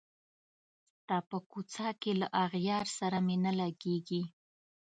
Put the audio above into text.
ستا په کوڅه کي له اغیار سره مي نه لګیږي